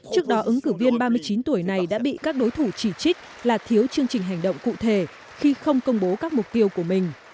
trước đó ứng cử viên ba mươi chín tuổi này đã bị các đối thủ chỉ trích là thiếu chương trình hành động cụ thể khi không công bố các mục tiêu của mình